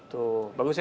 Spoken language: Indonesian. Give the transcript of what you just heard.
tuh bagus ya